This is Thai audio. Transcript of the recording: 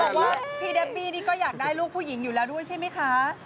บอกว่าพี่เดมี่นี่ก็อยากได้ลูกผู้หญิงอยู่แล้วด้วยใช่ไหมคะ